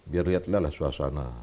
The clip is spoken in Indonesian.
biar lihatlah suasana